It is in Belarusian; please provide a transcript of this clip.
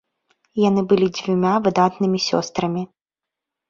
Яны былі дзвюма выдатнымі сёстрамі.